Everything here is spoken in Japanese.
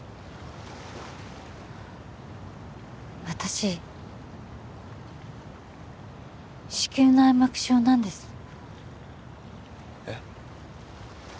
私子宮内膜症なんですえっ？